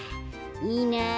いいなあ。